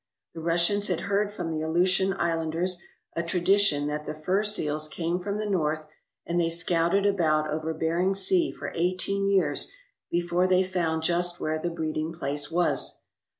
The Russians had heard from the Aleutian Islanders a tradition that the fur seals came from the north and they scouted about over Bering Sea for eighteen years before they found just where the breeding place was.